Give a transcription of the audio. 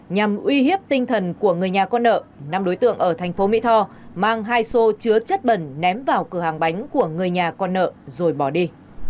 nhằm uy hiếp tinh thần của người nhà con nợ năm đối tượng ở thành phố mỹ tho mang hai xô chứa chất bẩn ném vào cửa hàng bánh của người nhà con nợ rồi bỏ đi